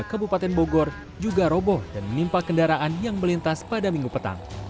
kabupaten bogor juga roboh dan menimpa kendaraan yang melintas pada minggu petang